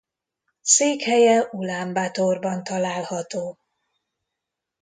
Székhelye Ulánbátorban található.